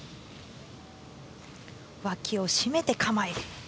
脇を締めて構える。